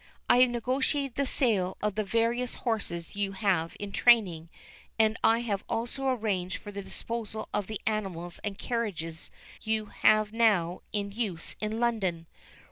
I have negotiated the sale of the various horses you have in training, and I have also arranged for the disposal of the animals and carriages you have now in use in London.